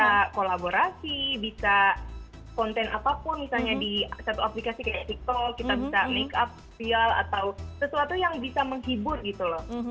bisa kolaborasi bisa konten apapun misalnya di satu aplikasi kayak tiktok kita bisa make up vial atau sesuatu yang bisa menghibur gitu loh